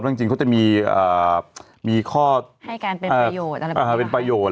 เพราะจริงเขาจะมีข้อให้การเป็นประโยชน์เป็นประโยชน์